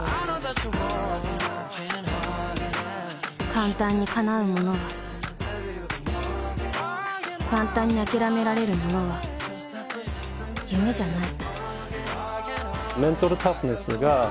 簡単にかなうものは簡単に諦められるものは夢じゃない。